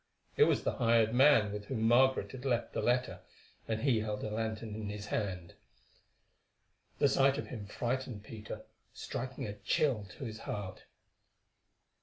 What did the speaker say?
It was the hired man with whom Margaret had left the letter, and he held a lantern in his hand. The sight of him frightened Peter, striking a chill to his heart.